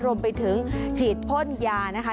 รวมไปถึงฉีดพ่นยานะคะ